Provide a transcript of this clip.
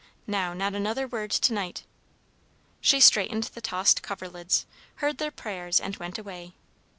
Now, not another word to night." She straightened the tossed coverlids, heard their prayers, and went away.